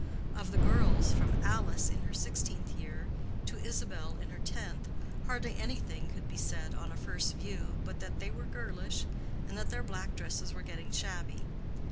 Of the girls, from Alice in her sixteenth year to Isabel in her tenth, hardly anything could be said on a first view, but that they were girlish, and that their black dresses were getting shabby.